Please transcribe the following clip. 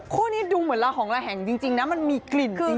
คู่นี้ดูเหมือนละหองระแหงจริงนะมันมีกลิ่นจริง